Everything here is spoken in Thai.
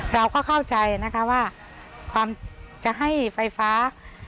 เราก็เข้าใจนะคะว่าความจะให้ไฟฟ้า